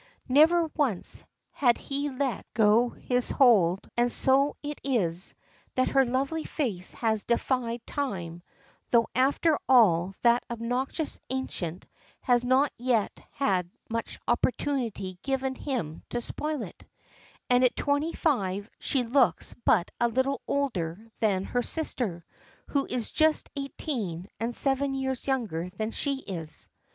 Never once had he let go his hold, and so it is, that her lovely face has defied Time (though after all that obnoxious Ancient has not had yet much opportunity given him to spoil it), and at twenty five she looks but a little older than her sister, who is just eighteen, and seven years younger than she is.